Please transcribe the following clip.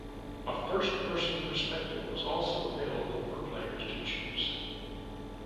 A first person perspective was also available for players to choose.